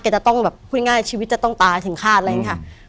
จะต้องแบบพูดง่ายชีวิตจะต้องตายถึงฆาตอะไรอย่างนี้ค่ะ